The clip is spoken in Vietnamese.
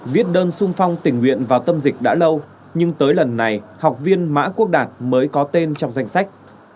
viết đơn sung phong tình nguyện vào tâm dịch đã lâu nhưng tới lần này học viên mã quốc đạt mới có tên trong danh sách